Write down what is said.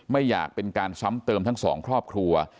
ไม่อยากเป็นการซ้ำเติมทั้งสองครอบครัว